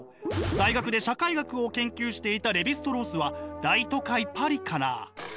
大学で社会学を研究していたレヴィ＝ストロースは大都会パリから。